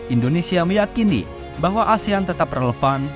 indonesia meyakini bahwa asean tetap relevan